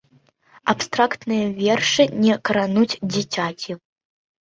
Абстрактныя вершы не крануць дзіцяці.